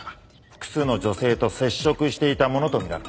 複数の女性と接触していたものとみられます。